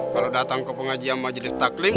kalau datang ke pengajian majelis taklim